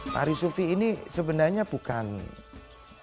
tari suvi ini sebenarnya bukan tarian suvi